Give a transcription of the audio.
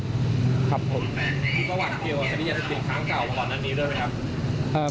คุณต้องหวังเกี่ยวกับสัญญาณสิทธิ์ข้างเก่าประมาณนั้นมีหรือครับ